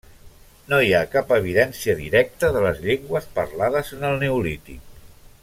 No hi ha cap evidència directa de les llengües parlades en el neolític.